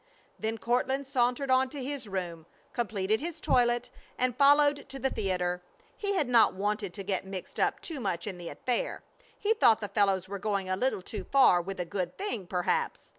Then Courtland sauntered on to his room, completed his toilet, and followed to the theater. He had not wanted to get mixed up too much in the affair. He thought the fellows were going a little too far with a good thing, perhaps.